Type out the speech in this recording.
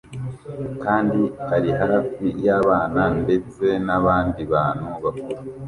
kandi ari hafi y'abana ndetse n'abandi bantu bakuru